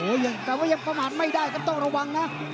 โอ้อย่างกลัวเล็บเบาะหมาธไม่ดีก็ต้องระวังนะ